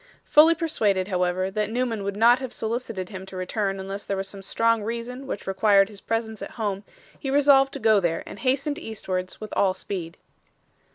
Fully persuaded, however, that Newman would not have solicited him to return unless there was some strong reason which required his presence at home, he resolved to go there, and hastened eastwards with all speed.